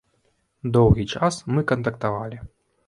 Доўгі час мы кантактавалі.